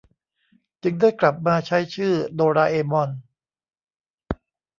จึงได้กลับมาใช้ชื่อโดราเอมอน